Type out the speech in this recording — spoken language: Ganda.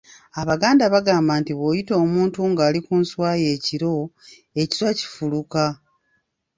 "Abaganda bagamba nti bw’oyita omuntu ng’ali ku nswa ye ekiro, ekiswa kifuluka."